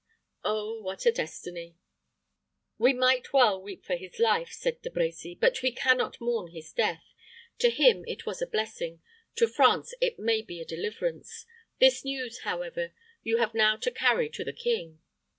Oh, what a destiny!" "We might well weep for his life," said De Brecy; "but we can not mourn his death. To him it was a blessing; to France it may be deliverance. This news, however, you have now to carry to the king."